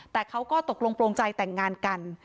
แต่เขาก็ตกลงโปรงใจแต่งงานกัน